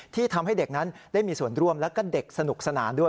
ที่ทำให้เด็กนั้นได้มีส่วนร่วมแล้วก็เด็กสนุกสนานด้วย